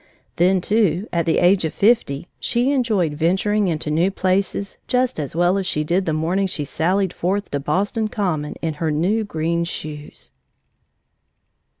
Then, too, at the age of fifty, she enjoyed venturing into new places just as well as she did the morning she sallied forth to Boston Common in her new green shoes!